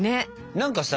何かさ